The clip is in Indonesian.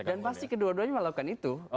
dan pasti kedua duanya melakukan itu